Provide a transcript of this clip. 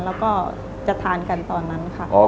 แล้วก็จะทานกันตอนนั้นค่ะ